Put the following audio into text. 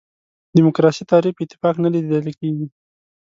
دیموکراسي تعریف اتفاق نه لیدل کېږي.